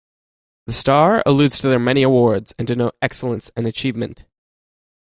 The star alludes to their many awards, and denote excellence and achievement.